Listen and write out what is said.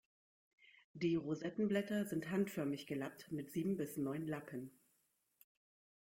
Die Rosettenblätter sind handförmig gelappt mit sieben bis neun Lappen.